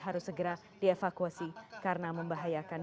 harus segera dievakuasi karena membahayakan